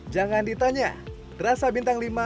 jangan ditanya rasa bintang lima